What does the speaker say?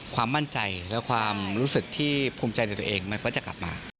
ความมั่นใจและความรู้สึกที่ภูมิใจในตัวเองมันก็จะกลับมา